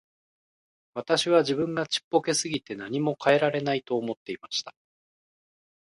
私は自分がちっぽけすぎて何も変えられないと思っていました。